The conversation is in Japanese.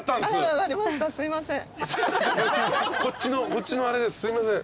こっちのあれですすいません。